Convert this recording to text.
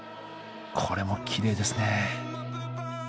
これもきれいですね。